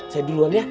saya duluan ya